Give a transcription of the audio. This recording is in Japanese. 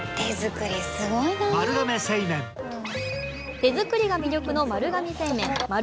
手作りが魅力の丸亀製麺。